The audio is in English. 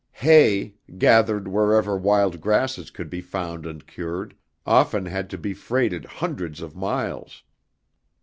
Hay, gathered wherever wild grasses could be found and cured, often had to be freighted hundreds of miles.